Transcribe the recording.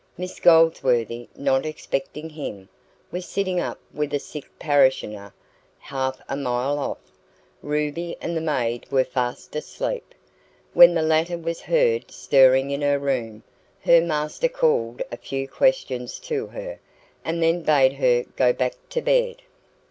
Miss Goldsworthy, not expecting him, was sitting up with a sick parishioner half a mile off; Ruby and the maid were fast asleep. When the latter was heard stirring in her room, her master called a few questions to her, and then bade her go back to bed.